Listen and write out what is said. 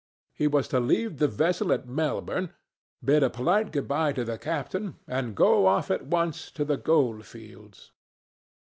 He was to leave the vessel at Melbourne, bid a polite good bye to the captain, and go off at once to the gold fields.